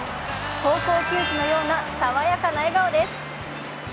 高校球児のような爽やかな笑顔です。